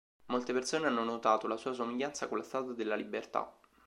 Molte persone hanno notato la sua somiglianza con la Statua della Libertà.